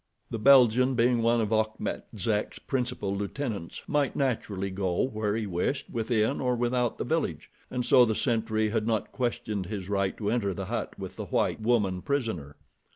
The Belgian, being one of Achmet Zek's principal lieutenants, might naturally go where he wished within or without the village, and so the sentry had not questioned his right to enter the hut with the white, woman prisoner.